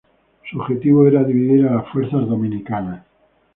Su objetivo era dividir a las fuerzas dominicanas.